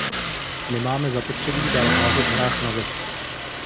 Nemáme zapotřebí dál házet hrách na zeď.